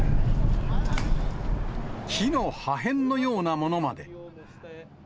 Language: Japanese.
木の破片のようなものまで。